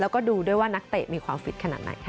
แล้วก็ดูด้วยว่านักเตะมีความฟิตขนาดไหนค่ะ